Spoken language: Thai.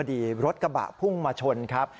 เฉียวพอดีรถกระบะพุ่งมาชนครับ